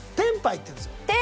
牌っていうんですよ。